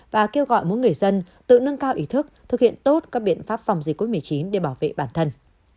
và kêu gọi mỗi người dân tự nâng cao ý thức thực hiện tốt các biện pháp phòng dịch covid một mươi chín để bảo vệ bản thân